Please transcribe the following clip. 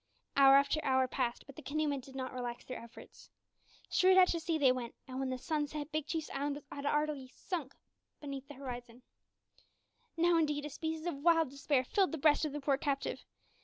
Hour after hour passed, but the canoe men did did not relax their efforts. Straight out to sea they went, and when the sun set, Big Chief's island had already sunk beneath the horizon. Now, indeed, a species of wild despair filled the breast of the poor captive.